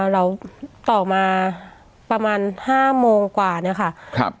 แล้วต่อมาประมาณ๕โมงกว่าค่ะ